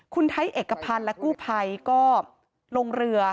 คุณไทยเอกพันธ์และกู้ภัยก็ลงเรือ